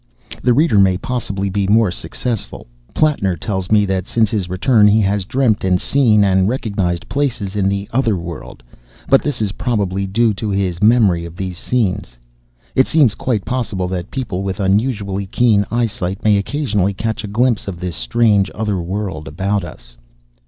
The reader may possibly be more successful. Plattner tells me that since his return he has dreamt and seen and recognised places in the Other World, but this is probably due to his memory of these scenes. It seems quite possible that people with unusually keen eyesight may occasionally catch a glimpse of this strange Other World about us.